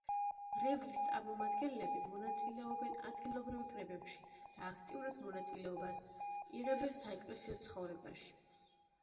მრევლის წარმომადგენლები მონაწილეობენ ადგილობრივ კრებებში და აქტიურ მონაწილეობას იღებენ საეკლესიო ცხოვრებაში.